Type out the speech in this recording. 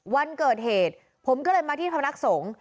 วันเกิดเหตุผมก็เลยมาที่พนักสงฆ์